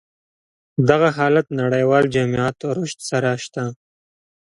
دغه حالت نړيوال جميعت رشد سره شته.